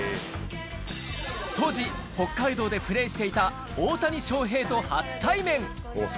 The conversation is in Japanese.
当時、北海道でプレーしていた大谷翔平と初対面。